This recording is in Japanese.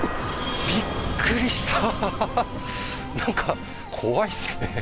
びっくりしたなんか怖いですね